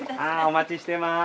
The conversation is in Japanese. お待ちしてます。